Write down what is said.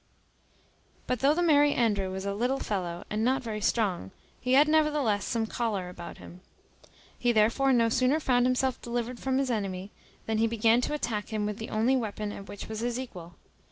But though the Merry Andrew was a little fellow, and not very strong, he had nevertheless some choler about him. He therefore no sooner found himself delivered from the enemy, than he began to attack him with the only weapon at which he was his equal.